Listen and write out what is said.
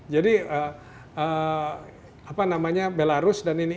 jadi belarus dan ini